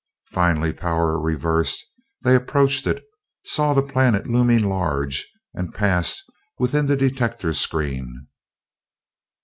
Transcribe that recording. Finally, power reversed, they approached it, saw the planet looming large, and passed within the detector screen.